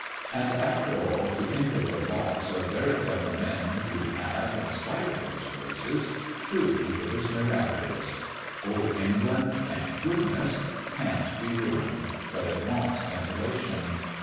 And after all, to think of the lots of very clever men we have in spite of those places truly it is miraculous! Old England, thank goodness! can't be ruined; but it wants ventilation.